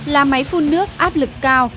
là máy phun nước áp lực cao